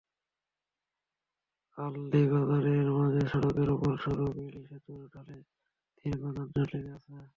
আলদীবাজারের মাঝে সড়কের ওপর সরু বেইলি সেতুর ঢালে দীর্ঘ যানজট লেগে আছে।